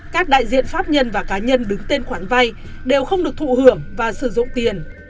các đại diện pháp nhân và cá nhân đứng tên khoản vay đều không được thụ hưởng và sử dụng tiền